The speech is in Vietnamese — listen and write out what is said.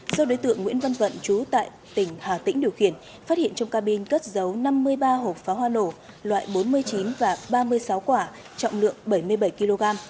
do đối tượng nguyễn văn vận trú tại tỉnh hà tĩnh điều khiển phát hiện trong cabin cất dấu năm mươi ba hộp pháo hoa nổ loại bốn mươi chín và ba mươi sáu quả trọng lượng bảy mươi bảy kg